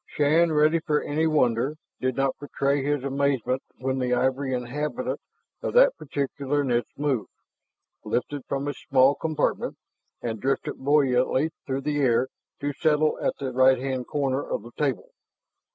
Shann, ready for any wonder, did not betray his amazement when the ivory inhabitant of that particular niche moved, lifted from its small compartment, and drifted buoyantly through the air to settle at the right hand corner of the table.